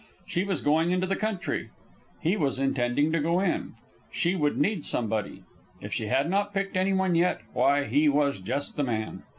She was going into the country. He was intending to go in. She would need somebody. If she had not picked any one yet, why he was just the man.